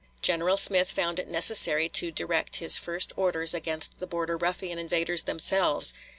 General Smith found it necessary to direct his first orders against the Border Ruffian invaders themselves.